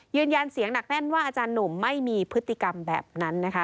ยืนยันเสียงหนักแน่นว่าอาจารย์หนุ่มไม่มีพฤติกรรมแบบนั้นนะคะ